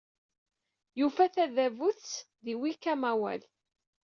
Yufa tabadut-s di Wikamawal.